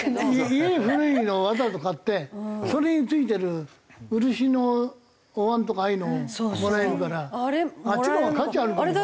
家古いのをわざわざ買ってそれに付いてる漆のお椀とかああいうのをもらえるからあっちのほうが価値あると思うんだよね。